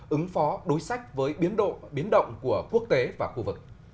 ứng phó đối sách với biến động của quốc tế và khu vực